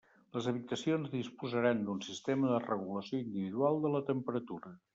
Les habitacions disposaran d'un sistema de regulació individual de la temperatura.